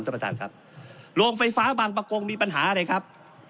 ท่านประธานครับโรงไฟฟ้าบางประกงมีปัญหาอะไรครับ